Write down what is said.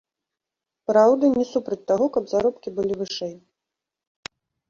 Праўда, не супраць таго, каб заробкі былі вышэй.